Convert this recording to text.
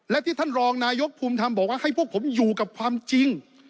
และที่ท่านรองนายกภูมิธรรมบอกว่าให้พวกผมอยู่กับความจริง